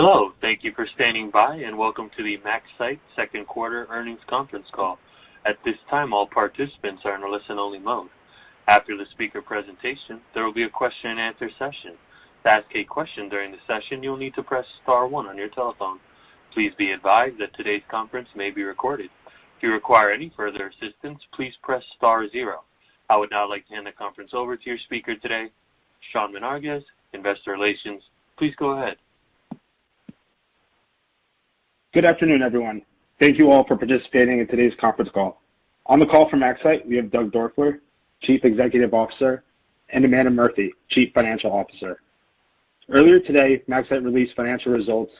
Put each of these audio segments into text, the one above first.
Hello. Thank you for standing by, and welcome to the MaxCyte Second Quarter Earnings Conference Call. At this time, all participants are in a listen-only mode. After the speaker presentation, there will be a question-and-answer session. To ask a question during the session, you will need to press star one on your telephone. Please be advised that today's conference may be recorded. If you require any further assistance, please press star zero. I would now like to hand the conference over to your speaker today, Sean Menarguez, Investor Relations. Please go ahead. Good afternoon, everyone. Thank you all for participating in today's conference call. On the call from MaxCyte, we have Doug Doerfler, Chief Executive Officer, and Amanda Murphy, Chief Financial Officer. Earlier today, MaxCyte released financial results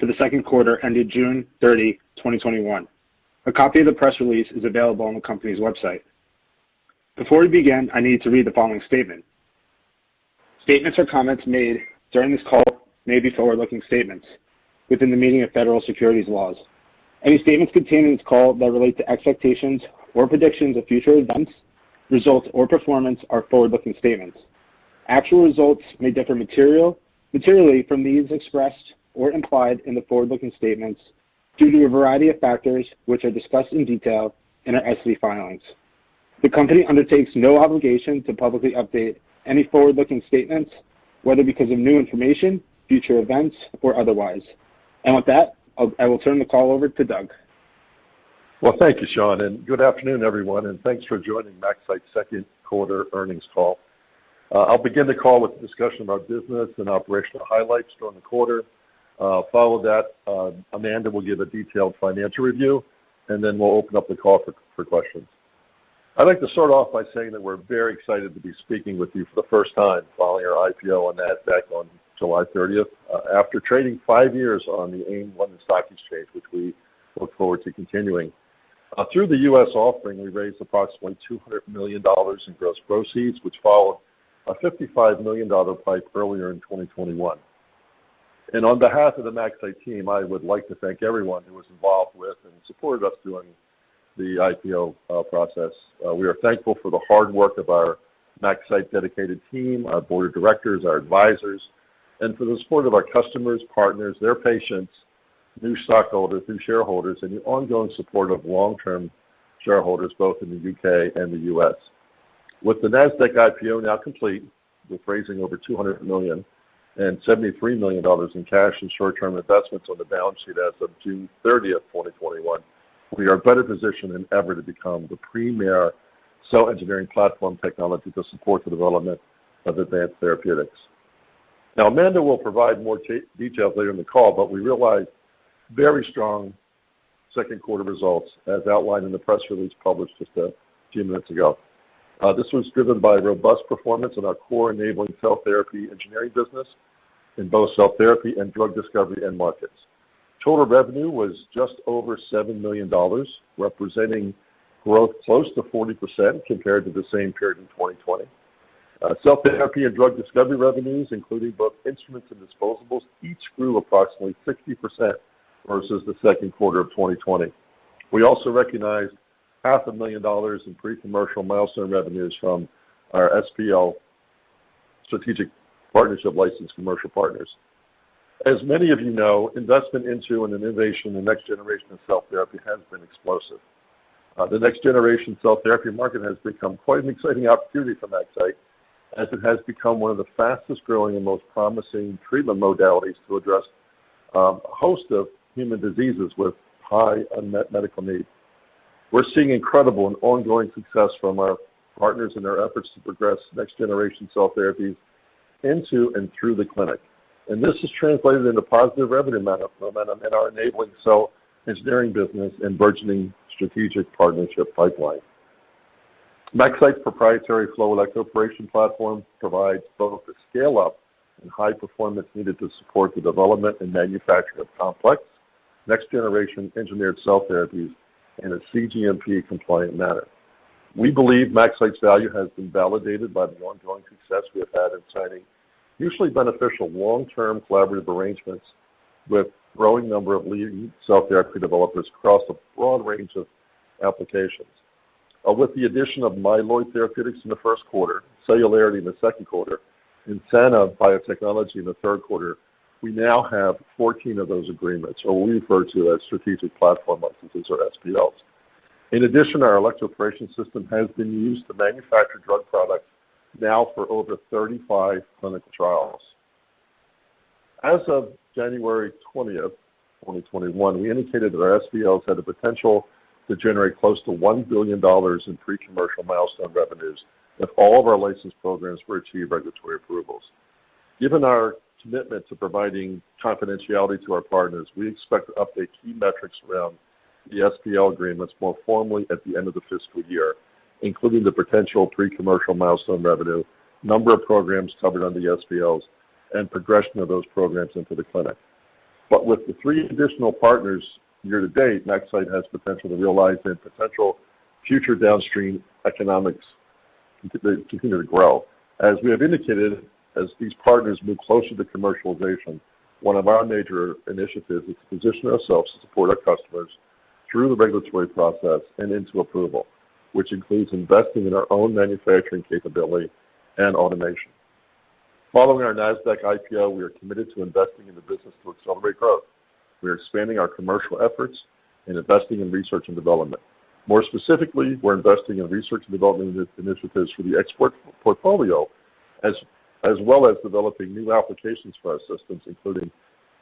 for the second quarter ended June 30, 2021. A copy of the press release is available on the company's website. Before we begin, I need to read the following statement. Statements or comments made during this call may be forward-looking statements within the meaning of federal securities laws. Any statements contained in this call that relate to expectations or predictions of future events, results, or performance are forward-looking statements. Actual results may differ materially from these expressed or implied in the forward-looking statements due to a variety of factors which are discussed in detail in our SEC filings. The company undertakes no obligation to publicly update any forward-looking statements, whether because of new information, future events, or otherwise. With that, I will turn the call over to Doug. Well, thank you, Sean, and good afternoon, everyone, and thanks for joining MaxCyte Second Quarter Earnings Call. I'll begin the call with a discussion of our business and operational highlights during the quarter. Follow that, Amanda will give a detailed financial review, and then we'll open up the call for questions. I'd like to start off by saying that we're very excited to be speaking with you for the first time following our IPO on Nasdaq on July 30th, after trading five years on the AIM London Stock Exchange, which we look forward to continuing. Through the U.S. offering, we raised approximately $200 million in gross proceeds, which followed a $55 million PIPE earlier in 2021. On behalf of the MaxCyte team, I would like to thank everyone who was involved with and supported us during the IPO process. We are thankful for the hard work of our MaxCyte dedicated team, our board of directors, our advisors, and for the support of our customers, partners, their patients, new stockholders, new shareholders, and the ongoing support of long-term shareholders both in the U.K. and the U.S. With the Nasdaq IPO now complete, we're raising over $200 million and $73 million in cash and short-term investments on the balance sheet as of June 30, 2021. We are better positioned than ever to become the premier cell engineering platform technology to support the development of advanced therapeutics. Amanda will provide more detail later in the call, but we realized very strong second quarter results as outlined in the press release published just a few minutes ago. This was driven by robust performance in our core enabling cell therapy engineering business in both cell therapy and drug discovery end markets. Total revenue was just over $7 million, representing growth close to 40% compared to the same period in 2020. Cell therapy and drug discovery revenues, including both instruments and disposables, each grew approximately 60% versus the second quarter of 2020. We also recognized half a million dollars in pre-commercial milestone revenues from our SPL strategic partnership license commercial partners. As many of you know, investment into and innovation in next generation of cell therapy has been explosive. The next generation cell therapy market has become quite an exciting opportunity for MaxCyte as it has become one of the fastest-growing and most promising treatment modalities to address a host of human diseases with high unmet medical needs. We're seeing incredible and ongoing success from our partners in their efforts to progress next generation cell therapies into and through the clinic, and this has translated into positive revenue momentum in our enabling cell engineering business and burgeoning strategic partnership pipeline. MaxCyte's proprietary Flow Electroporation platform provides both the scale-up and high performance needed to support the development and manufacture of complex next generation engineered cell therapies in a cGMP compliant manner. We believe MaxCyte's value has been validated by the ongoing success we have had in signing mutually beneficial long-term collaborative arrangements with growing number of leading cell therapy developers across a broad range of applications. With the addition of Myeloid Therapeutics in the first quarter, Celularity in the second quarter, Sana Biotechnology in the third quarter, we now have 14 of those agreements, or we refer to as Strategic Platform Licenses or SPLs. In addition, our electroporation system has been used to manufacture drug products now for over 35 clinical trials. As of January 20, 2021, we indicated that our SPLs had the potential to generate close to $1 billion in pre-commercial milestone revenues if all of our licensed programs were to achieve regulatory approvals. Given our commitment to providing confidentiality to our partners, we expect to update key metrics around the SPL agreements more formally at the end of the fiscal year, including the potential pre-commercial milestone revenue, number of programs covered under the SPLs, and progression of those programs into the clinic. With the three additional partners year to date, MaxCyte has potential to realize their potential future downstream economics continue to grow. As we have indicated, as these partners move closer to commercialization, one of our major initiatives is to position ourselves to support our customers through the regulatory process and into approval, which includes investing in our own manufacturing capability and automation. Following our Nasdaq IPO, we are committed to investing in the business to accelerate growth. We are expanding our commercial efforts and investing in research and development. More specifically, we're investing in research and development initiatives for the ExPERT portfolio as well as developing new applications for our systems, including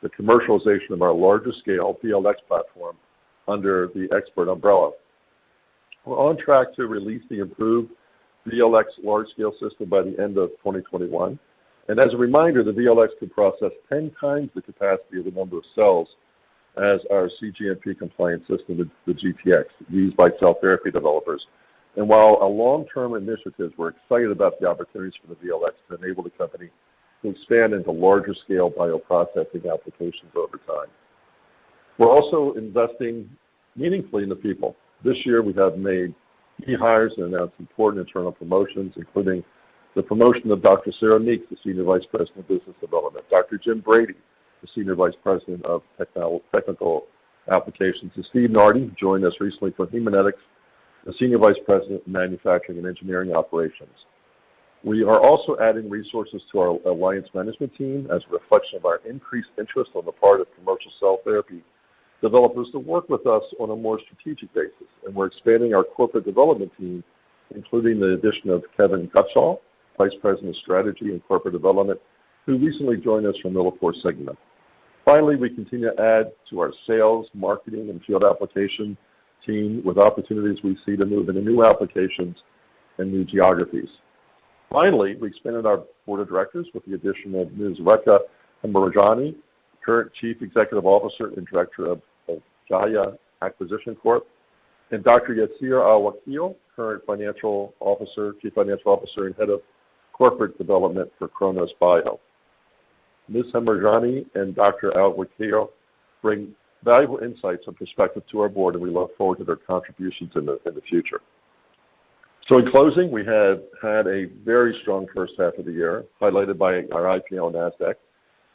the commercialization of our larger scale VLx platform under the ExPERT umbrella. We're on track to release the improved VLx large scale system by the end of 2021. As a reminder, the VLx can process 10x the capacity of the number of cells as our cGMP compliant system, the GTx used by cell therapy developers. While a long-term initiative, we're excited about the opportunities for the VLx to enable the company to expand into larger scale bioprocessing applications over time. We're also investing meaningfully in the people. This year, we have made key hires and announced important internal promotions, including the promotion of Dr. Sarah Meeks to Senior Vice President of Business Development, Dr. Jim Brady to Senior Vice President of Technical Applications, and Steve Nardi, who joined us recently from Haemonetics, Senior Vice President of Manufacturing and Engineering Operations. We are also adding resources to our alliance management team as a reflection of our increased interest on the part of commercial cell therapy developers to work with us on a more strategic basis, and we're expanding our corporate development team, including the addition of Kevin Gutshall, Vice President of Strategy and Corporate Development, who recently joined us from MilliporeSigma. We continue to add to our sales, marketing, and field application team with opportunities we see to move into new applications and new geographies. We expanded our board of directors with the addition of Ms. Rekha Hemrajani, current Chief Executive Officer and Director of Jiya Acquisition Corp., and Dr. Yasir Al-Wakeel, current Chief Financial Officer and Head of Corporate Development for Kronos Bio. Ms. Hemrajani and Dr. Al-Wakeel bring valuable insights and perspective to our board, and we look forward to their contributions in the future. In closing, we have had a very strong first half of the year, highlighted by our IPO on Nasdaq,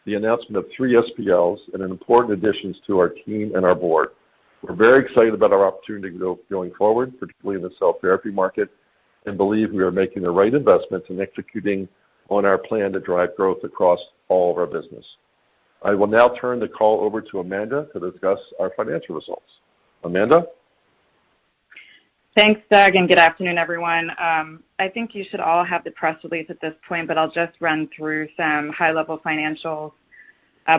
the announcement of three SPLs, and an important additions to our team and our board. We're very excited about our opportunity going forward, particularly in the cell therapy market, and believe we are making the right investments and executing on our plan to drive growth across all of our business. I will now turn the call over to Amanda to discuss our financial results. Amanda? Thanks, Doug, good afternoon, everyone. I think you should all have the press release at this point, but I'll just run through some high-level financials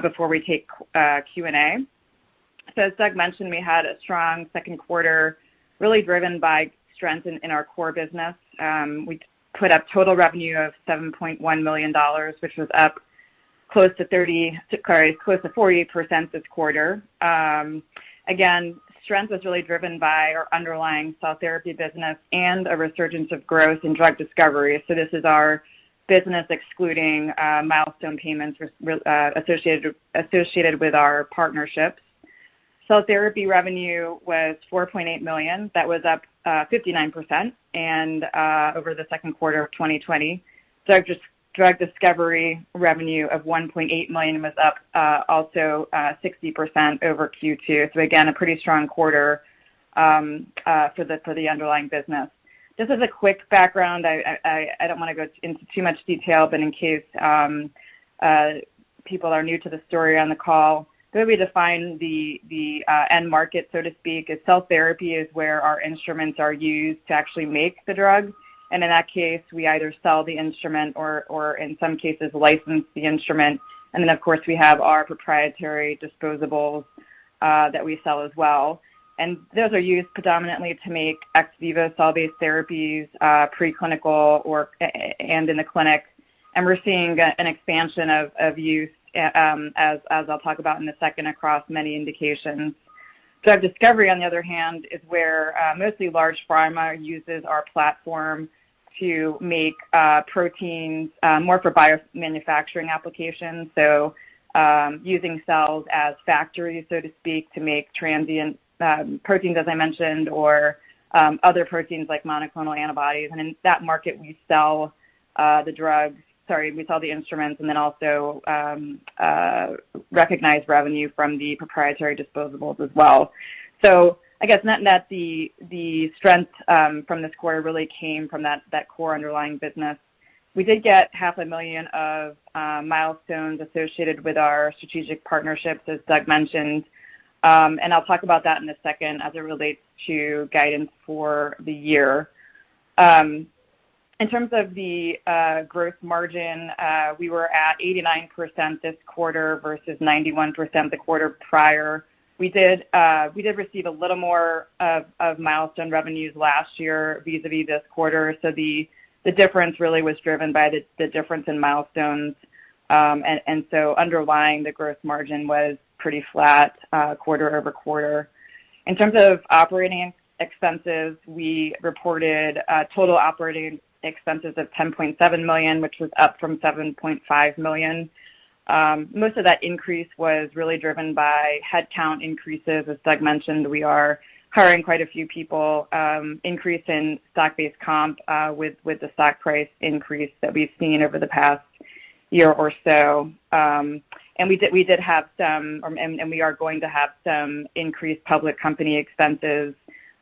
before we take Q&A. As Doug mentioned, we had a strong second quarter really driven by strength in our core business. We put up total revenue of $7.1 million, which was up close to 48% this quarter. Again, strength was really driven by our underlying cell therapy business and a resurgence of growth in drug discovery. This is our business excluding milestone payments associated with our partnerships. Cell therapy revenue was $4.8 million. That was up 59% over the second quarter of 2020. Drug discovery revenue of $1.8 million was up, also, 60% over Q2. Again, a pretty strong quarter for the underlying business. Just as a quick background, I don't want to go into too much detail, but in case people are new to the story on the call, the way we define the end market, so to speak, is cell therapy is where our instruments are used to actually make the drugs, and in that case, we either sell the instrument or in some cases license the instrument. Of course, we have our proprietary disposables that we sell as well, and those are used predominantly to make ex vivo cell-based therapies, preclinical or and in the clinic. We're seeing an expansion of use, as I'll talk about in a second, across many indications. Drug discovery, on the other hand, is where mostly large pharma uses our platform to make proteins, more for bio-manufacturing applications. Using cells as factories, so to speak, to make transient proteins, as I mentioned, or other proteins like monoclonal antibodies. In that market, we sell the instruments and then also recognize revenue from the proprietary disposables as well. I guess net, the strength from this quarter really came from that core underlying business. We did get half a million of milestones associated with our strategic partnerships, as Doug mentioned. I'll talk about that in a second as it relates to guidance for the year. In terms of the gross margin, we were at 89% this quarter versus 91% the quarter prior. We did receive a little more of milestone revenues last year vis-a-vis this quarter, so the difference really was driven by the difference in milestones. Underlying the gross margin was pretty flat, quarter-over-quarter. In terms of operating expenses, we reported total operating expenses of $10.7 million, which was up from $7.5 million. Most of that increase was really driven by headcount increases. As Doug mentioned, we are hiring quite a few people. Increase in stock-based comp with the stock price increase that we've seen over the past year or so. We did have some. We are going to have some increased public company expenses,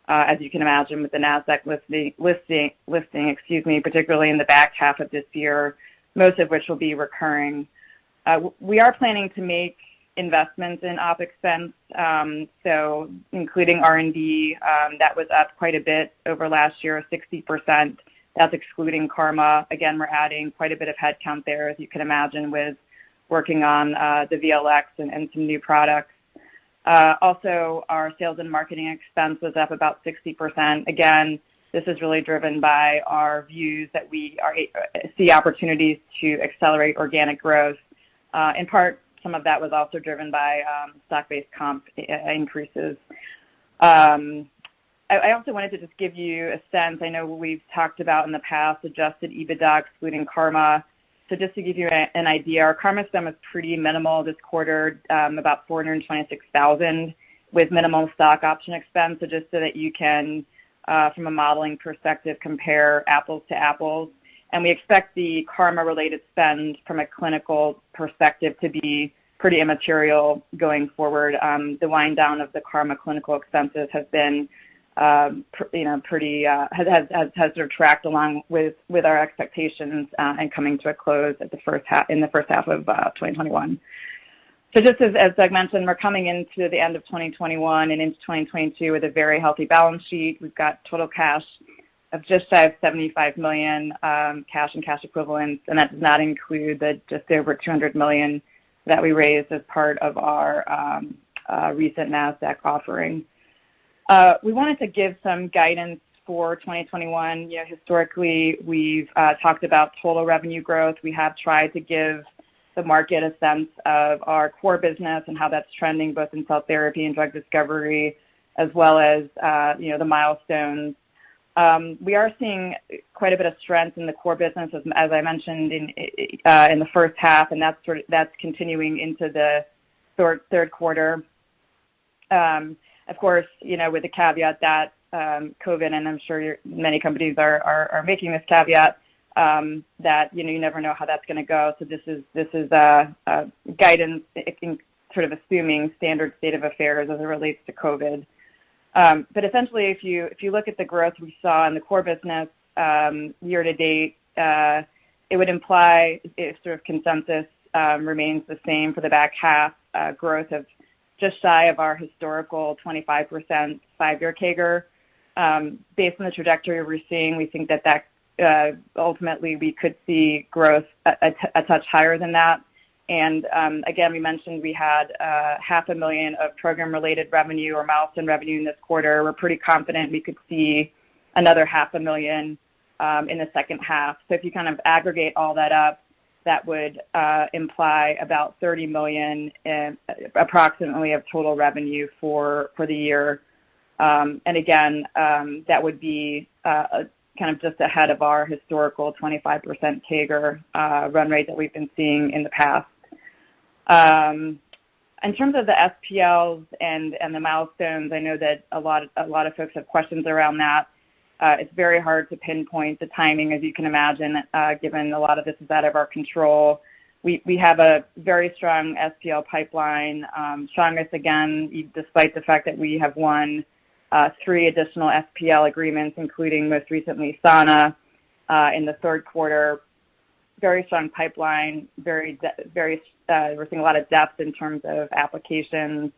as you can imagine with the Nasdaq listing, particularly in the back half of this year, most of which will be recurring. We are planning to make investments in OpEx spends, so including R&D, that was up quite a bit over last year, 60%. That's excluding CARMA. Again, we're adding quite a bit of headcount there, as you can imagine, with working on the VLx and some new products. Our sales and marketing expense was up about 60%. Again, this is really driven by our views that we are, see opportunities to accelerate organic growth. In part, some of that was also driven by stock-based comp increases. I also wanted to just give you a sense, I know we've talked about in the past adjusted EBITDA excluding CARMA. Just to give you an idea, our CARMA sum is pretty minimal this quarter, about $426,000 with minimal stock option expense. Just so that you can from a modeling perspective, compare apples to apples. We expect the CARMA-related spend from a clinical perspective to be pretty immaterial going forward. The wind down of the CARMA clinical expenses have been pretty sort of tracked along with our expectations and coming to a close in the first half of 2021. Just as Doug mentioned, we're coming into the end of 2021 and into 2022 with a very healthy balance sheet. We've got total cash of just shy of $75 million, cash and cash equivalents, and that does not include the just over $200 million that we raised as part of our recent Nasdaq offering. We wanted to give some guidance for 2021. You know, historically, we've talked about total revenue growth. We have tried to give the market a sense of our core business and how that's trending both in cell therapy and drug discovery as well as, you know, the milestones. We are seeing quite a bit of strength in the core business as I mentioned in the first half, and that's continuing into the third quarter. Of course, you know, with the caveat that COVID, and I'm sure many companies are making this caveat, that, you know, you never know how that's going to go. This is, this is a guidance, I think, sort of assuming standard state of affairs as it relates to COVID. But essentially, if you, if you look at the growth we saw in the core business, year to date, it would imply if sort of consensus remains the same for the back half, growth of just shy of our historical 25% five-year CAGR. Based on the trajectory we're seeing, we think that ultimately we could see growth a touch higher than that. Again, we mentioned we had half a million of program-related revenue or milestone revenue in this quarter. We're pretty confident we could see another half a million in the second half. If you kind of aggregate all that up, that would imply about $30 million approximately of total revenue for the year. Again, that would be kind of just ahead of our historical 25% CAGR run rate that we've been seeing in the past. In terms of the SPLs and the milestones, I know that a lot of folks have questions around that. It's very hard to pinpoint the timing, as you can imagine, given a lot of this is out of our control. We have a very strong SPL pipeline. Showing this again, despite the fact that we have won three additional SPL agreements, including most recently Sana, in the third quarter. Very strong pipeline. We're seeing a lot of depth in terms of applications,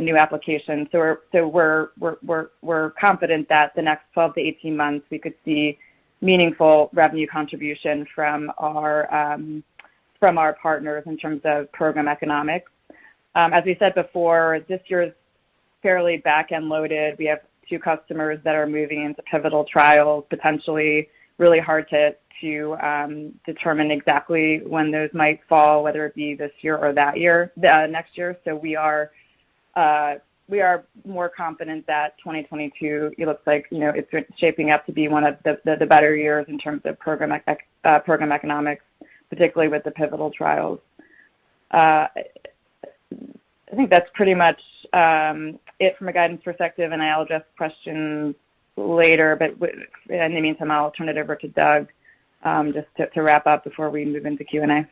new applications. We're confident that the next 12-18 months we could see meaningful revenue contribution from our partners in terms of program economics. As we said before, this year is fairly back-end loaded. We have two customers that are moving into pivotal trials, potentially really hard to determine exactly when those might fall, whether it be this year or that year, next year. We are more confident that 2022, it looks like, you know, it's shaping up to be one of the better years in terms of program economics, particularly with the pivotal trials. I think that's pretty much it from a guidance perspective, and I'll address questions later. I mean, I'll turn it over to Doug just to wrap up before we move into Q&A.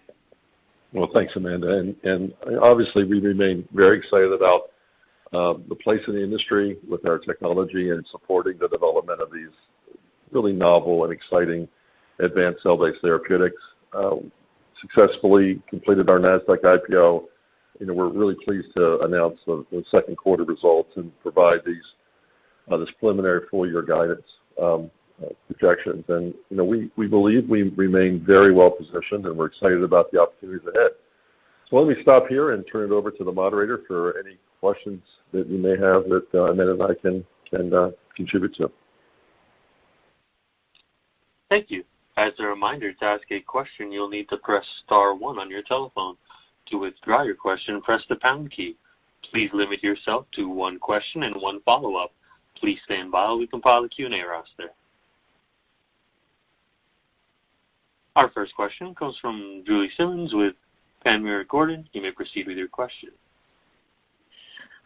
Well, thanks, Amanda. Obviously, we remain very excited about the place in the industry with our technology and supporting the development of these really novel and exciting advanced cell-based therapeutics. Successfully completed our Nasdaq IPO. You know, we're really pleased to announce the second quarter results and provide these, this preliminary full-year guidance, projections. You know, we believe we remain very well-positioned, and we're excited about the opportunities ahead. Why don't we stop here and turn it over to the moderator for any questions that you may have that, Amanda and I can contribute to. Thank you. As a reminder, to ask a question, you'll need to press star one on your telephone. To withdraw your question, press the pound key. Please limit yourself to one question and one follow-up. Please stand by while we compile the Q&A roster. Our first question comes from Julie Simmonds with Panmure Gordon. You may proceed with your question.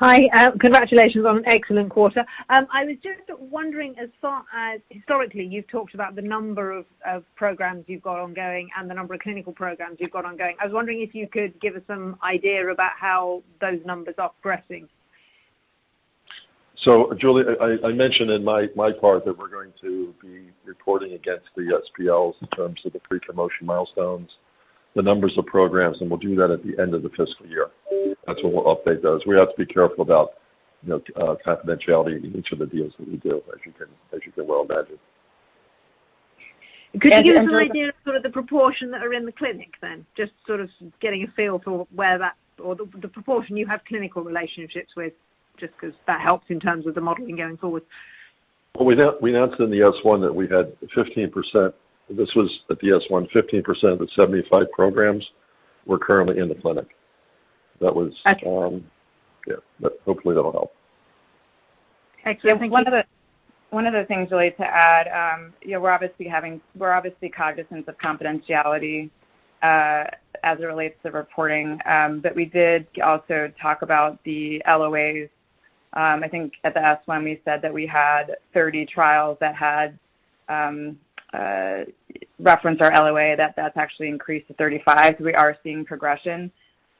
Hi. Congratulations on an excellent quarter. I was just wondering, as far as historically, you've talked about the number of programs you've got ongoing and the number of clinical programs you've got ongoing. I was wondering if you could give us some idea about how those numbers are progressing. Julie, I mentioned in my part that we're going to be reporting against the SPLs in terms of the pre-promotion milestones, the numbers of programs, and we'll do that at the end of the fiscal year. That's when we'll update those. We have to be careful about, you know, confidentiality in each of the deals that we do, as you can well imagine. Could you give us an idea of sort of the proportion that are in the clinic then? Just sort of getting a feel for where that or the proportion you have clinical relationships with, just 'cause that helps in terms of the modeling going forward. Well, we announced in the S-1 that we had 15%. This was at the S-1, 15% of the 75 programs were currently in the clinic. Okay. Yeah. Hopefully that'll help. Excellent. Thank you. Yeah. One of the things really to add, you know, we're obviously cognizant of confidentiality as it relates to reporting. We did also talk about the LOAs. I think at the S-1 we said that we had 30 trials that had reference our LOA. That's actually increased to 35. We are seeing progression.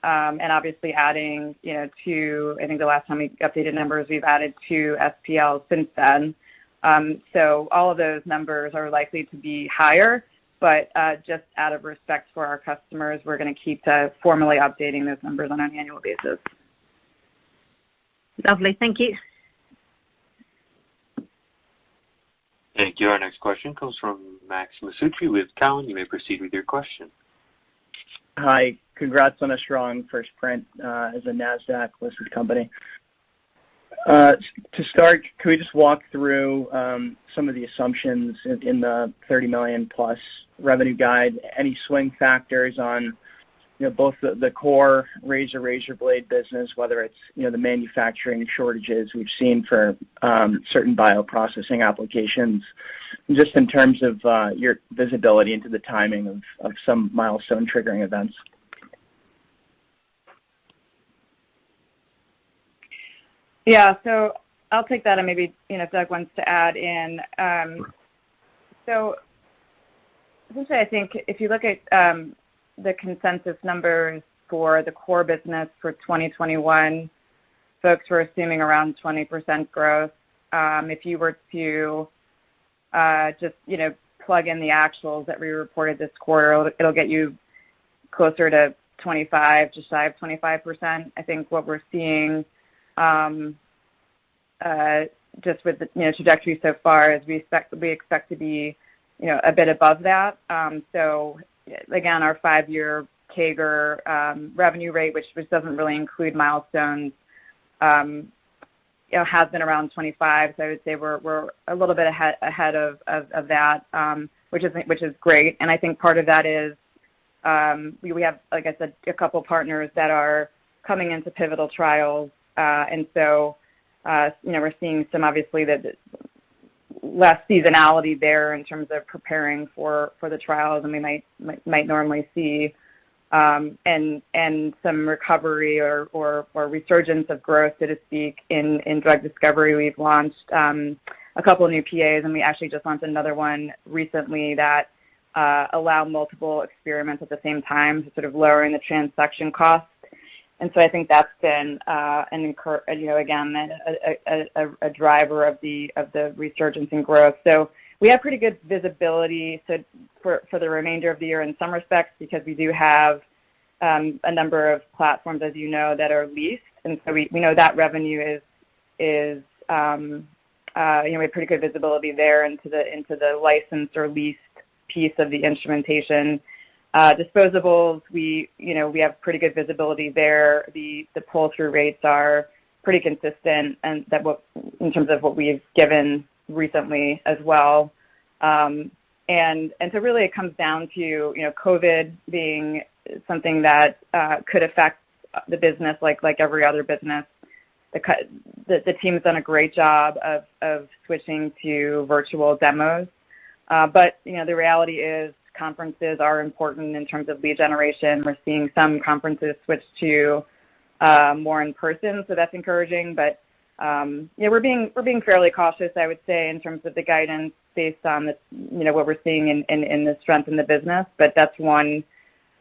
Obviously adding, you know, two SPLs since then. All of those numbers are likely to be higher. Just out of respect for our customers, we're gonna keep formally updating those numbers on an annual basis. Lovely. Thank you. Thank you. Our next question comes from Max Masucci with Cowen. You may proceed with your question. Hi. Congrats on a strong first print as a Nasdaq-listed company. To start, can we just walk through some of the assumptions in the $30 million plus revenue guide? Any swing factors on, you know, both the core razor-razor blade business, whether it's, you know, the manufacturing shortages we've seen for certain bioprocessing applications, just in terms of your visibility into the timing of some milestone triggering events? Yeah. I'll take that and maybe, you know, if Doug wants to add in. I would say, I think if you look at the consensus numbers for the core business for 2021, folks were assuming around 20% growth. If you were to, you know, plug in the actuals that we reported this quarter, it'll get you closer to 25, just shy of 25%. I think what we're seeing, just with the, you know, trajectory so far is we expect to be, you know, a bit above that. Again, our five-year CAGR revenue rate, which doesn't really include milestones, you know, has been around 25. I would say we're a little bit ahead of that, which is great. I think part of that is, we have, like I said, a couple partners that are coming into pivotal trials. You know, we're seeing some obviously the less seasonality there in terms of preparing for the trials than we might normally see. Some recovery or resurgence of growth, so to speak, in drug discovery. We've launched a couple new PAs, and we actually just launched another one recently that allow multiple experiments at the same time, sort of lowering the transaction costs. I think that's been, you know, again, a driver of the resurgence in growth. We have pretty good visibility for the remainder of the year in some respects because we do have a number of platforms, as you know, that are leased. We know that revenue is, you know, we have pretty good visibility there into the licensed or leased piece of the instrumentation. Disposables, we have pretty good visibility there. The pull-through rates are pretty consistent and in terms of what we've given recently as well. Really it comes down to, you know, COVID being something that could affect the business like every other business. The team has done a great job of switching to virtual demos. You know, the reality is conferences are important in terms of lead generation. We're seeing some conferences switch to more in person. That's encouraging. We're being fairly cautious, I would say, in terms of the guidance based on the, you know, what we're seeing in the strength in the business. That's one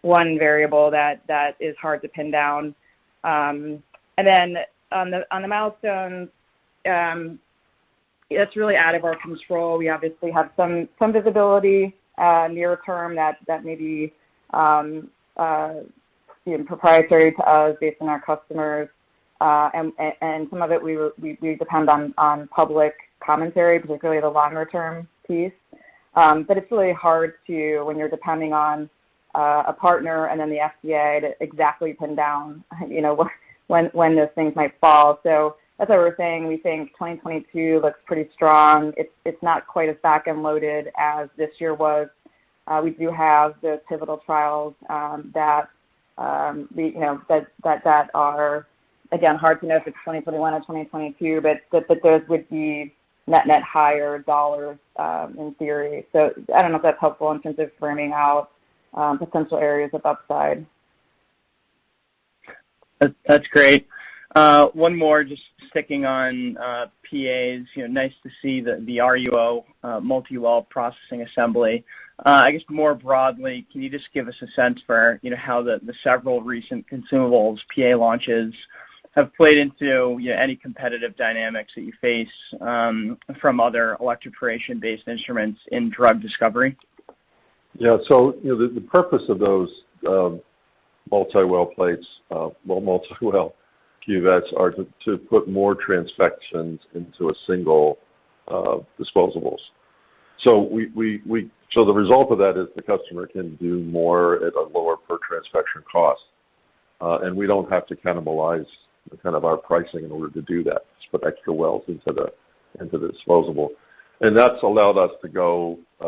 variable that is hard to pin down. On the milestones, it's really out of our control. We obviously have some visibility near term that may be, you know, proprietary to us based on our customers. Some of it we depend on public commentary, particularly the longer term piece. It's really hard to when you're depending on a partner and then the FDA to exactly pin down, you know, when those things might fall. As I was saying, we think 2022 looks pretty strong. It's not quite as back-end loaded as this year was. We do have those pivotal trials that we, you know, that are, again, hard to know if it's 2021 or 2022, but those would be net-net higher dollars in theory. I don't know if that's helpful in terms of framing out potential areas of upside. That's great. One more just sticking on PAs. You know, nice to see the RUO multi-well processing assembly. I guess more broadly, can you just give us a sense for, you know, how the several recent consumables PA launches have played into, you know, any competitive dynamics that you face from other electroporation-based instruments in drug discovery? Yeah. You know, the purpose of those multi-well cuvettes are to put more transfections into a single disposables. The result of that is the customer can do more at a lower per transfection cost. We don't have to cannibalize kind of our pricing in order to do that, just put extra wells into the disposable. That's allowed us to go, you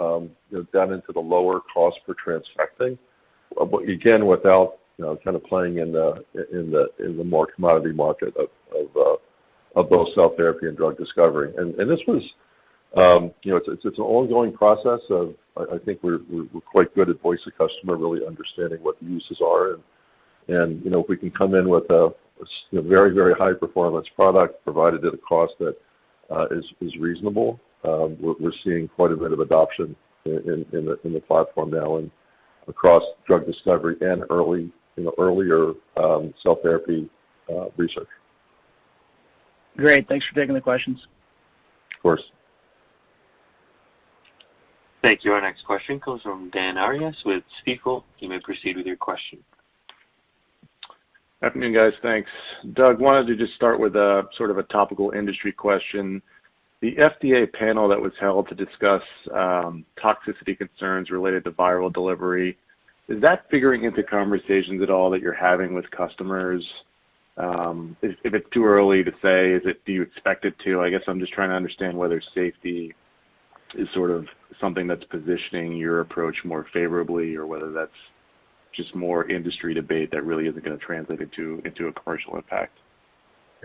know, down into the lower cost per transfecting, but again, without, you know, kind of playing in the more commodity market of both cell therapy and drug discovery. This was, you know, it's an ongoing process of I think we're quite good at voice of customer, really understanding what the uses are. You know, if we can come in with a very, very high performance product provided at a cost that is reasonable, we're seeing quite a bit of adoption in the platform now and across drug discovery and early, you know, earlier, cell therapy, research. Great. Thanks for taking the questions. Of course. Thank you. Our next question comes from Dan Arias with Stifel. You may proceed with your question. Afternoon, guys. Thanks. Doug, wanted to just start with a sort of a topical industry question. The FDA panel that was held to discuss toxicity concerns related to viral delivery, is that figuring into conversations at all that you're having with customers? If it's too early to say, is it, do you expect it to? I guess I'm just trying to understand whether safety is sort of something that's positioning your approach more favorably or whether that's just more industry debate that really isn't gonna translate into a commercial impact.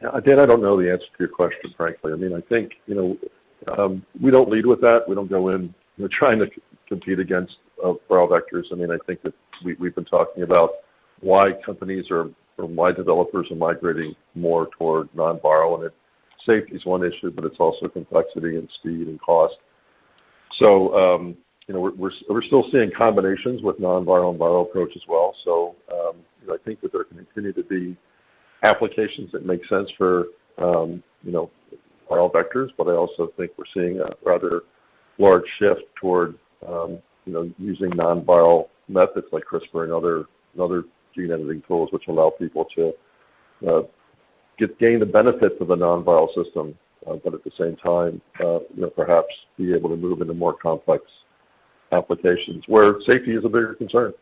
Yeah. Dan, I don't know the answer to your question, frankly. I mean, I think, you know, we don't lead with that. We don't go in, you know, trying to compete against viral vectors. I mean, I think that we've been talking about why companies are, or why developers are migrating more toward non-viral, and it, safety is one issue, but it's also complexity and speed and cost. You know, we're still seeing combinations with non-viral and viral approach as well. You know, I think that there can continue to be applications that make sense for, you know, viral vectors, but I also think we're seeing a rather large shift toward, you know, using non-viral methods like CRISPR and other gene editing tools which allow people to gain the benefits of a non-viral system, but at the same time, you know, perhaps be able to move into more complex applications where safety is a bigger concern.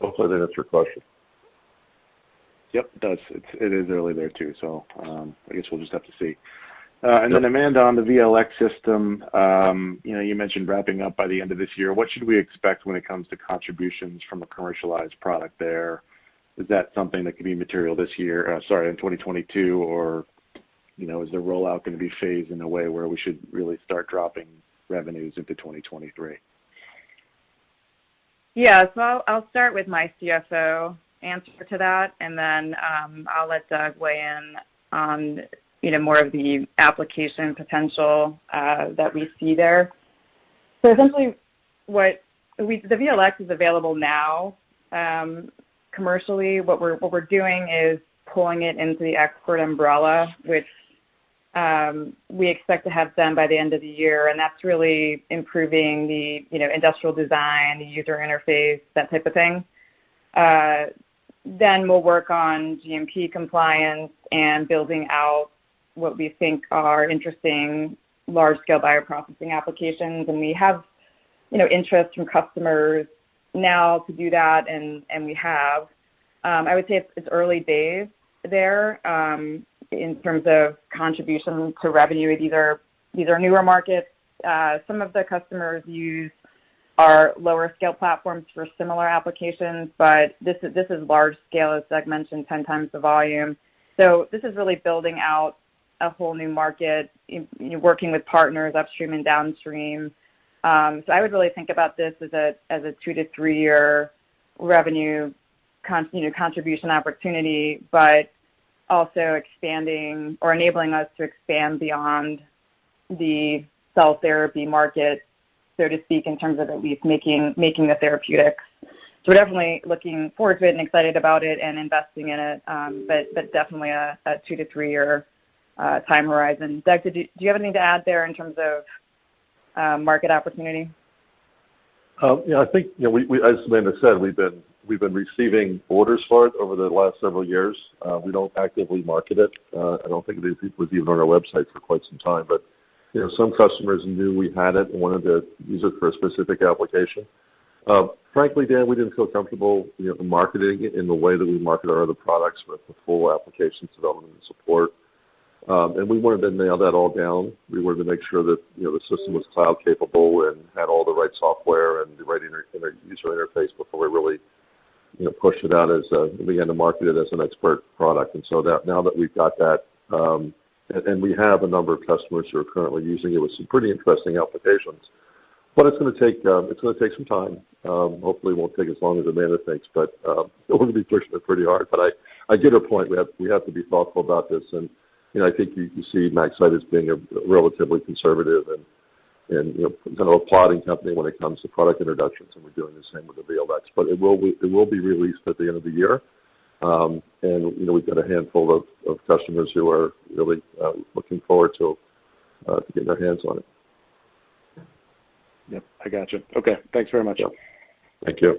Hopefully that answered your question. Yep, it does. It is early there too. I guess we'll just have to see. Amanda, on the VLx system, you know, you mentioned wrapping up by the end of this year. What should we expect when it comes to contributions from a commercialized product there? Is that something that could be material this year? Sorry, in 2022 or, you know, is the rollout gonna be phased in a way where we should really start dropping revenues into 2023? I'll start with my CFO answer to that, and then I'll let Doug weigh in on, you know, more of the application potential that we see there. Essentially the VLx is available now commercially. What we're doing is pulling it into the ExPERT umbrella, which we expect to have done by the end of the year, and that's really improving the, you know, industrial design, the user interface, that type of thing. We'll work on cGMP compliance and building out what we think are interesting large scale bioprocessing applications. We have, you know, interest from customers now to do that and we have. I would say it's early days there in terms of contributions to revenue. These are newer markets. Some of the customers use our lower scale platforms for similar applications, but this is large scale, as Doug mentioned, 10 times the volume. This is really building out a whole new market, working with partners upstream and downstream. I would really think about this as a two to three year revenue contribution opportunity, but also expanding or enabling us to expand beyond the cell therapy market, so to speak, in terms of at least making the therapeutics. We're definitely looking forward to it and excited about it and investing in it. But definitely a two to three year time horizon. Doug, do you have anything to add there in terms of market opportunity? Yeah, I think, you know, we as Amanda said, we've been receiving orders for it over the last several years. We don't actively market it. I don't think it was even on our website for quite some time. You know, some customers knew we had it and wanted to use it for a specific application. Frankly, Dan, we didn't feel comfortable, you know, marketing it in the way that we market our other products with the full application development and support. We wanted to nail that all down. We wanted to make sure that, you know, the system was cloud capable and had all the right software and the right user interface. You know, push it out as we intend to market it as an ExPERT product. That now that we've got that, and we have a number of customers who are currently using it with some pretty interesting applications. It's gonna take some time. Hopefully, it won't take as long as Amanda thinks, but, we're gonna be pushing it pretty hard. I get her point. We have to be thoughtful about this. You know, I think you can see MaxCyte as being a relatively conservative and, you know, kind of a plodding company when it comes to product introductions, and we're doing the same with the VLx. It will be released at the end of the year. You know, we've got a handful of customers who are really looking forward to getting their hands on it. Yep, I gotcha. Okay. Thanks very much. Yep. Thank you.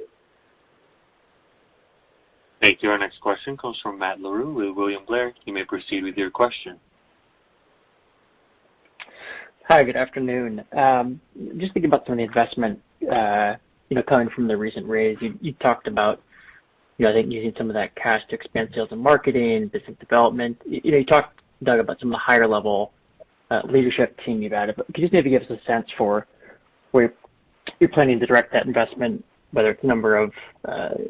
Thank you. Our next question comes from Matt Larew with William Blair. You may proceed with your question. Hi, good afternoon. Just thinking about some of the investment, you know, coming from the recent raise, you talked about, you know, I think using some of that cash to expand sales and marketing, business development. You know, you talked, Doug, about some of the higher level, leadership team you've added, but can you just maybe give us a sense for where you're planning to direct that investment, whether it's number of,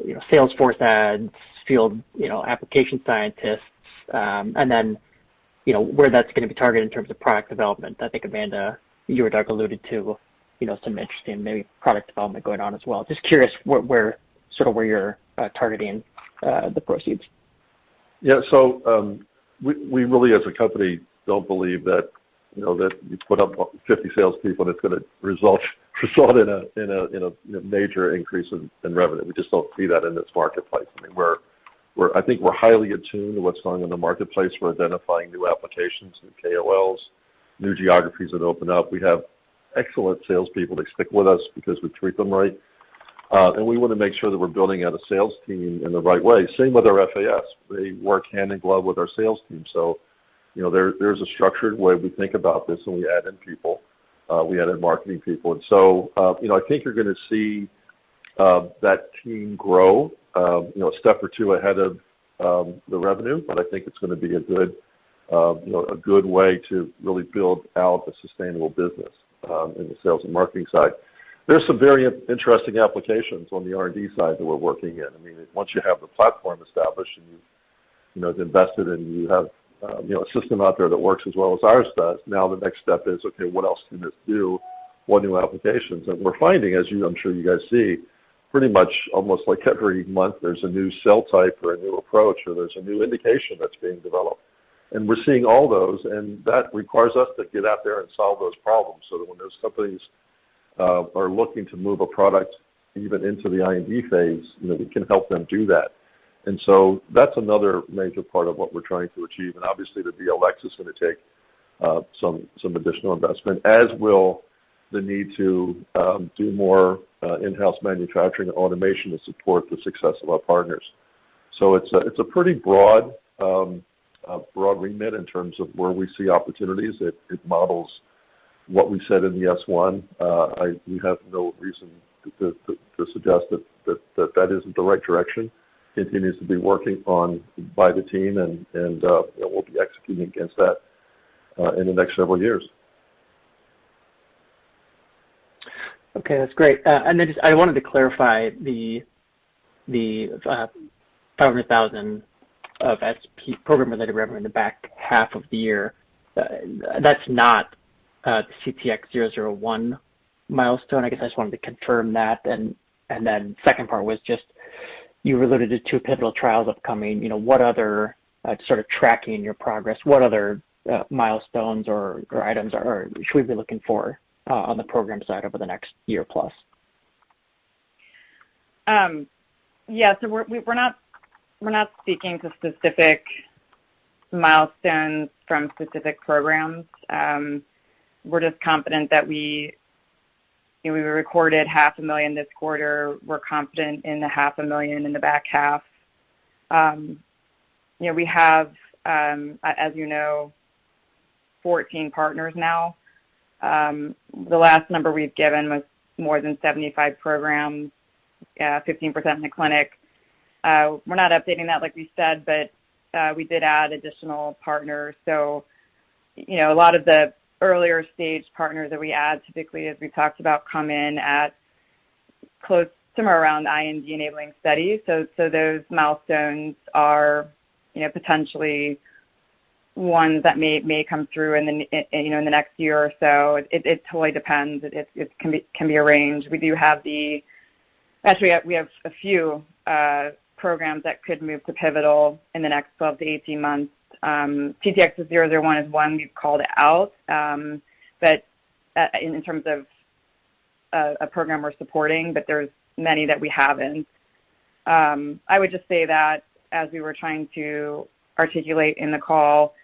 you know, sales force adds, field, you know, application scientists, and then, you know, where that's gonna be targeted in terms of product development? I think, Amanda, you or Doug alluded to, you know, some interesting maybe product development going on as well. Just curious where, sort of where you're targeting the proceeds. We really as a company don't believe that, you know, that you put up 50 salespeople that's gonna result in a, in a, in a major increase in revenue. We just don't see that in this marketplace. I mean, we're I think we're highly attuned to what's going on in the marketplace. We're identifying new applications, new KOLs, new geographies that open up. We have excellent salespeople. They stick with us because we treat them right. We wanna make sure that we're building out a sales team in the right way. Same with our FAS. They work hand in glove with our sales team. You know, there's a structured way we think about this when we add in people, we add in marketing people. You know, I think you're gonna see that team grow, you know, a step or two ahead of the revenue, but I think it's gonna be a good, you know, a good way to really build out a sustainable business in the sales and marketing side. There's some very interesting applications on the R&D side that we're working in. I mean, once you have the platform established and you know, have invested and you have, you know, a system out there that works as well as ours does, now the next step is, okay, what else can this do? What new applications? We're finding, as you, I'm sure you guys see, pretty much almost like every month there's a new cell type or a new approach or there's a new indication that's being developed. We're seeing all those, and that requires us to get out there and solve those problems, so that when those companies are looking to move a product even into the IND phase, you know, we can help them do that. That's another major part of what we're trying to achieve. Obviously, the VLx is gonna take some additional investment, as will the need to do more in-house manufacturing and automation to support the success of our partners. It's a pretty broad remit in terms of where we see opportunities. It models what we said in the S-1. We have no reason to suggest that isn't the right direction. Continues to be working on by the team and, you know, we'll be executing against that, in the next several years. Okay, that's great. Just I wanted to clarify the $500,000 of SP program-related revenue in the back half of the year. That's not the CTX001 milestone. I guess I just wanted to confirm that. Second part was just you alluded to two pivotal trials upcoming. You know, what other, sort of tracking your progress, what other, milestones or items are should we be looking for on the program side over the next one year plus? Yeah. We're not speaking to specific milestones from specific programs. We're just confident that we, you know, we recorded half a million this quarter. We're confident in the half a million in the back half. You know, we have, as you know, 14 partners now. The last number we've given was more than 75 programs, 15% in the clinic. We're not updating that, like we said, we did add additional partners. You know, a lot of the earlier stage partners that we add, typically, as we talked about, come in at close, somewhere around IND-enabling studies. Those milestones are, you know, potentially ones that may come through in the next year or so. It totally depends. It can be a range. Actually, we have a few programs that could move to pivotal in the next 12-18 months. CTX001 is one we've called out, but in terms of a program we're supporting, but there's many that we haven't. I would just say that as we were trying to articulate in the call,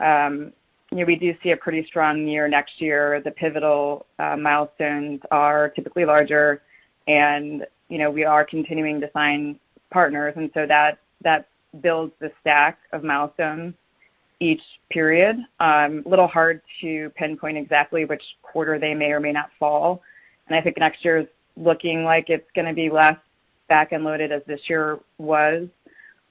you know, we do see a pretty strong year next year. The pivotal milestones are typically larger and, you know, we are continuing to sign partners, and so that builds the stack of milestones each period. A little hard to pinpoint exactly which quarter they may or may not fall, and I think next year is looking like it's gonna be less back-ended loaded as this year was.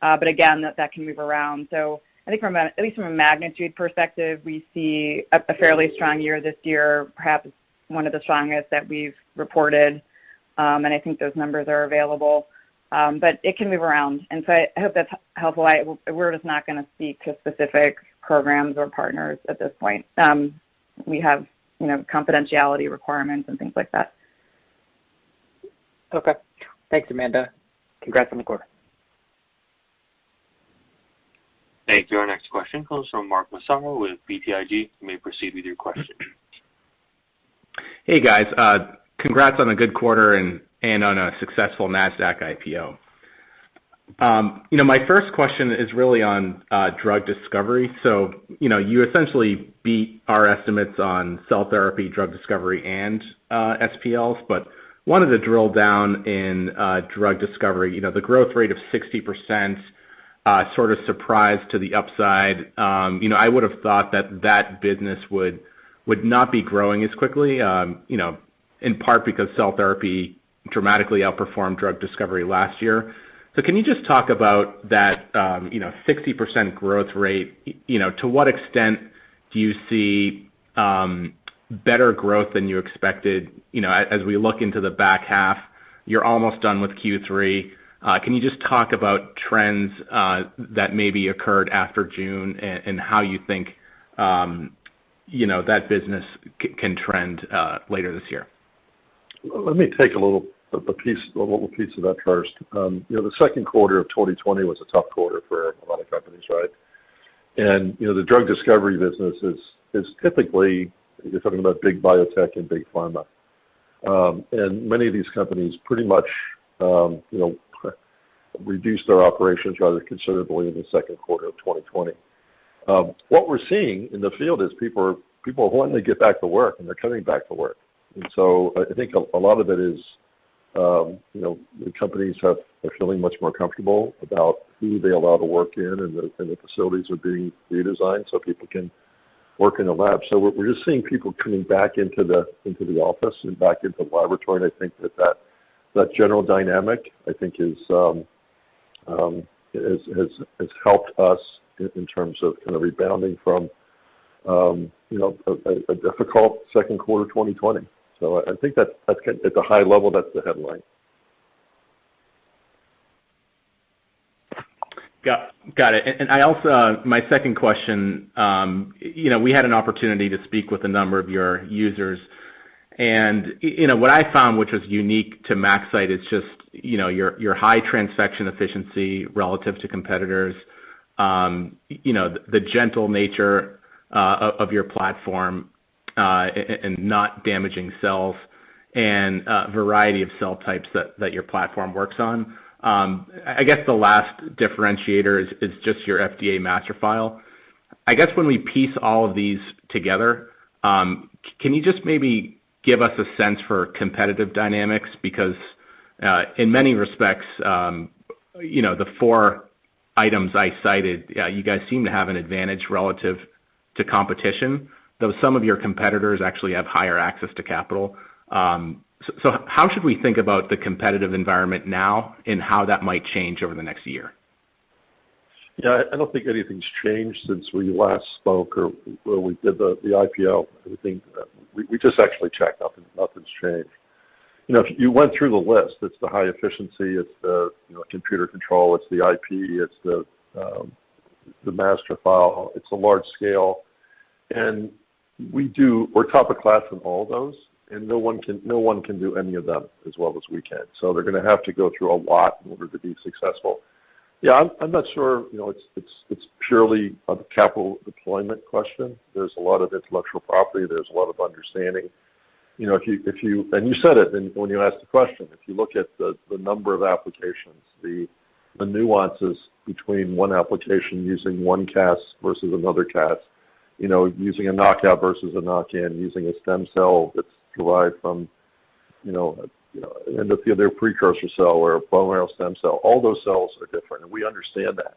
But again, that can move around. I think from a, at least from a magnitude perspective, we see a fairly strong year this year, perhaps one of the strongest that we've reported. I think those numbers are available. It can move around. I hope that's helpful. We're just not gonna speak to specific programs or partners at this point. We have, you know, confidentiality requirements and things like that. Okay. Thanks, Amanda. Congrats on the quarter. Thank you. Our next question comes from Mark Massaro with BTIG. You may proceed with your question. Hey, guys. congrats on a good quarter and on a successful Nasdaq IPO. you know, my first question is really on drug discovery. you know, you essentially beat our estimates on cell therapy, drug discovery, and SPLs. wanted to drill down in drug discovery. You know, the growth rate of 60%, sort of surprised to the upside. you know, I would have thought that that business would not be growing as quickly, you know, in part because cell therapy dramatically outperformed drug discovery last year. Can you just talk about that, you know, 60% growth rate? You know, to what extent do you see better growth than you expected, you know, as we look into the back half? You're almost done with Q3. Can you just talk about trends that maybe occurred after June and how you think, you know, that business can trend later this year? Let me take a little of a piece, a little piece of that first. you know, the second quarter of 2020 was a tough quarter for a lot of companies, right? you know, the drug discovery business is typically, you're talking about big biotech and big pharma. Many of these companies pretty much, you know, reduced their operations rather considerably in the second quarter of 2020. What we're seeing in the field is people are wanting to get back to work, and they're coming back to work. I think a lot of it is, you know, the companies are feeling much more comfortable about who they allow to work in, and the facilities are being redesigned so people can work in a lab. We're just seeing people coming back into the office and back into the laboratory, I think that general dynamic, I think, has helped us in terms of kind of rebounding from, you know, a difficult second quarter 2020. I think that's at the high level, that's the headline. Got it. I also, my second question, you know, we had an opportunity to speak with a number of your users. You know, what I found, which was unique to MaxCyte, is just, you know, your high transfection efficiency relative to competitors, you know, the gentle nature of your platform, and not damaging cells and variety of cell types that your platform works on. I guess the last differentiator is just your FDA master file. I guess when we piece all of these together, can you just maybe give us a sense for competitive dynamics? Because in many respects, you know, the four items I cited, you guys seem to have an advantage relative to competition, though some of your competitors actually have higher access to capital. How should we think about the competitive environment now and how that might change over the next year? Yeah. I don't think anything's changed since we last spoke or when we did the IPO. I would think, we just actually checked. Nothing's changed. You know, if you went through the list, it's the high efficiency, it's the, you know, computer control, it's the IP, it's the master file, it's the large scale. We're top of class in all of those, no one can do any of them as well as we can. They're gonna have to go through a lot in order to be successful. Yeah, I'm not sure, you know, it's purely a capital deployment question. There's a lot of intellectual property. There's a lot of understanding. You know, if you said it when you asked the question. If you look at the number of applications, the nuances between one application using one Cas versus another Cas, you know, using a knockout versus a knockin, using a stem cell that's derived from, you know, you know, endothelial precursor cell or a bone marrow stem cell, all those cells are different, and we understand that.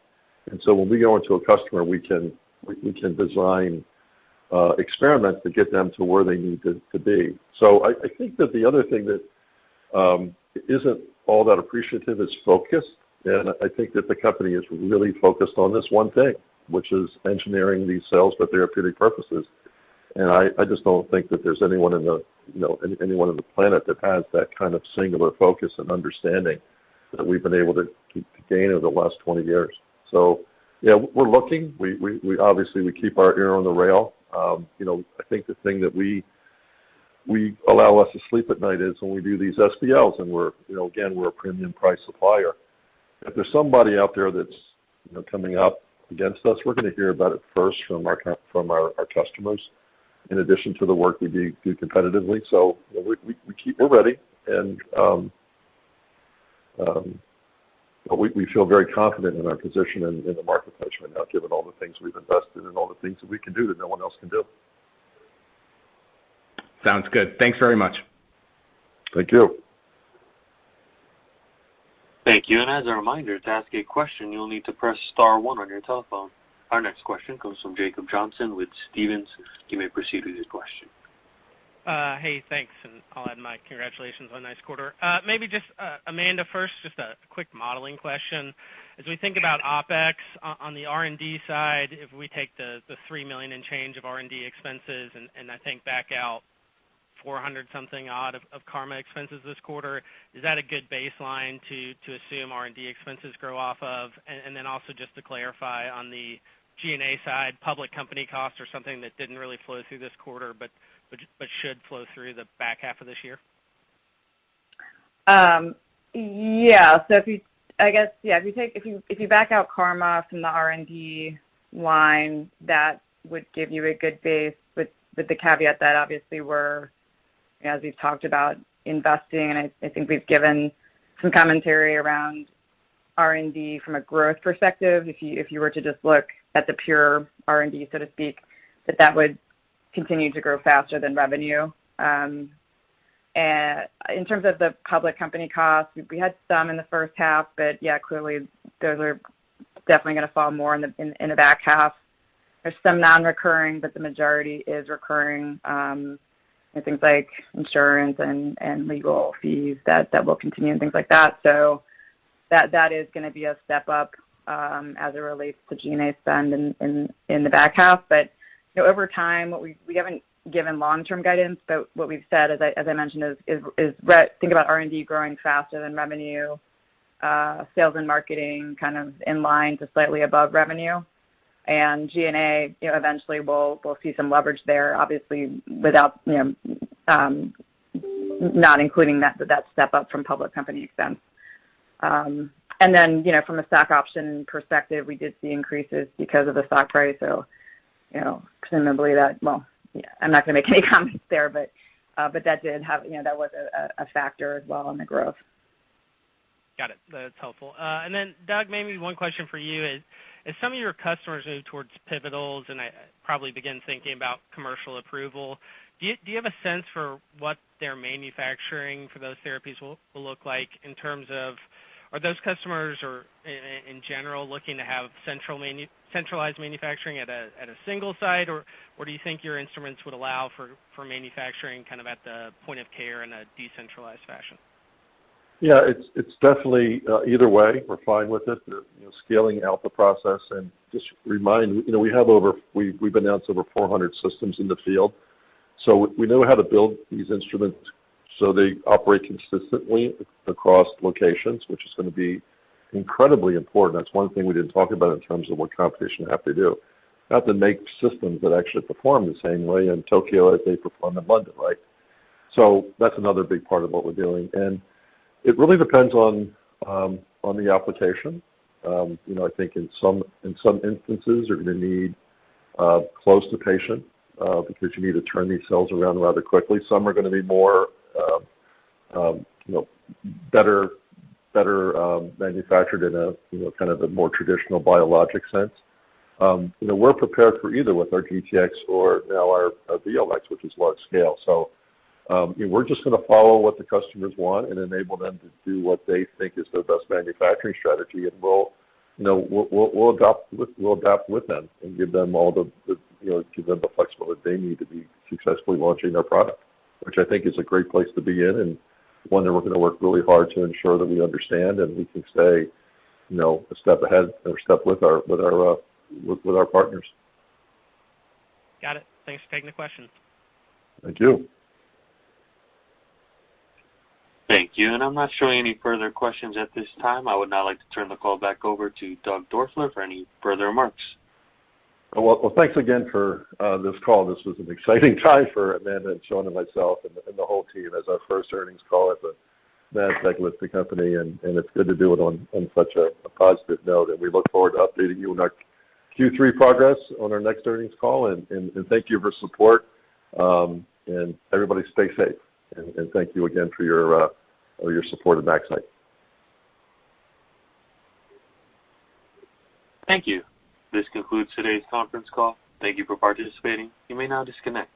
When we go into a customer, we can, we can design experiments to get them to where they need to be. I think that the other thing that isn't all that appreciative is focus. I think that the company is really focused on this one thing, which is engineering these cells for therapeutic purposes. I just don't think that there's anyone in the, you know, anyone on the planet that has that kind of singular focus and understanding that we've been able to gain over the last 20 years. Yeah, we're looking. We obviously, we keep our ear on the rail. You know, I think the thing that we allow us to sleep at night is when we do these SPLs and we're, you know, again, we're a premium price supplier. If there's somebody out there that's, you know, coming up against us, we're gonna hear about it first from our customers in addition to the work we do competitively. We keep. We're ready. We feel very confident in our position in the marketplace right now, given all the things we've invested and all the things that we can do that no one else can do. Sounds good. Thanks very much. Thank you. Thank you. As a reminder, to ask a question, you'll need to press star one on your telephone. Our next question comes from Jacob Johnson with Stephens. You may proceed with your question. Hey, thanks. I'll add my congratulations on a nice quarter. Maybe just, Amanda first, just a quick modeling question. As we think about OpEx on the R&D side, if we take the $3 million and change of R&D expenses, and I think back out 400 something odd of CARMA expenses this quarter, is that a good baseline to assume R&D expenses grow off of? Also just to clarify, on the G&A side, public company costs are something that didn't really flow through this quarter, but should flow through the back half of this year? Yeah. If you I guess, yeah, if you back out CARMA from the R&D line, that would give you a good base with the caveat that obviously we're, as we've talked about, investing, and I think we've given some commentary around R&D from a growth perspective. If you were to just look at the pure R&D, so to speak, that would continue to grow faster than revenue. In terms of the public company costs, we had some in the first half, but yeah, clearly those are definitely gonna fall more in the back half. There's some non-recurring, but the majority is recurring, in things like insurance and legal fees that will continue and things like that. That is gonna be a step-up as it relates to G&A spend in the back half. You know, over time, we haven't given long-term guidance, but what we've said, as I mentioned, is think about R&D growing faster than revenue, sales and marketing kind of in line to slightly above revenue. G&A, you know, eventually we'll see some leverage there, obviously without, you know, not including that step-up from public company expense. Then, you know, from a stock option perspective, we did see increases because of the stock price, so, you know, presumably that Well, yeah, I'm not gonna make any comments there, but that did have, you know, that was a factor as well in the growth. Got it. That's helpful. Then Doug, maybe one question for you is, as some of your customers move towards pivotals and probably begin thinking about commercial approval, do you have a sense for what their manufacturing for those therapies will look like in terms of are those customers or in general looking to have centralized manufacturing at a single site? Or do you think your instruments would allow for manufacturing kind of at the point of care in a decentralized fashion? Yeah, it's definitely, either way, we're fine with it. You know, scaling out the process and just remind, you know, we've announced over 400 systems in the field, so we know how to build these instruments, so they operate consistently across locations, which is gonna be incredibly important. That's one thing we didn't talk about in terms of what competition have to do. We have to make systems that actually perform the same way in Tokyo as they perform in London, right? That's another big part of what we're doing. It really depends on the application. You know, I think in some, in some instances you're gonna need, close to patient, because you need to turn these cells around rather quickly. Some are gonna be more, you know, better manufactured in a, you know, kind of a more traditional biologic sense. You know, we're prepared for either with our GTx or now our VLx, which is large scale. You know, we're just gonna follow what the customers want and enable them to do what they think is their best manufacturing strategy. We'll, you know, we'll adapt with them and give them all the, you know, give them the flexibility they need to be successfully launching their product, which I think is a great place to be in, and one that we're gonna work really hard to ensure that we understand and we can stay, you know, a step ahead or step with our partners. Got it. Thanks for taking the question. Thank you. Thank you. I'm not showing any further questions at this time. I would now like to turn the call back over to Doug Doerfler for any further remarks. Well, thanks again for this call. This was an exciting time for Amanda and Sean and myself and the whole team as our first earnings call at the Nasdaq-listed company, and it's good to do it on such a positive note. We look forward to updating you on our Q3 progress on our next earnings call. Thank you for support. Everybody stay safe. Thank you again for your support of MaxCyte. Thank you. This concludes today's conference call. Thank you for participating. You may now disconnect.